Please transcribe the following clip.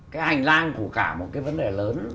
cái hành lang của cả một cái vấn đề lớn